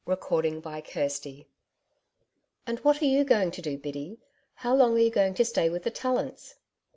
CHAPTER 11 'And what are you going to do, Biddy? How long are you going to stay with the Tallants?'